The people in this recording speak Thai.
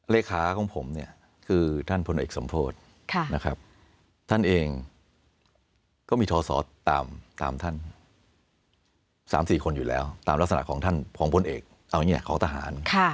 เลขาของผมเนี่ยคือท่านพลเอกสมโพธินะครับท่านเองก็มีทศตามท่าน๓๔คนอยู่แล้วตามลักษณะของท่านของพลเอกเอาอย่างนี้ของทหาร